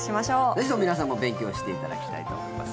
ぜひとも皆さんも勉強していただきたいと思います。